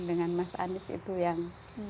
dengan mas anies itu yang